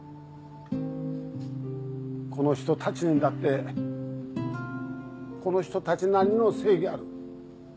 この人たちにだってこの人たちなりの正義がある。